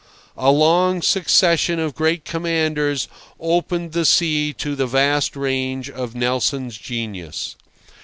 A long succession of great commanders opened the sea to the vast range of Nelson's genius.